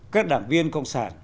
các đảng viên cộng sản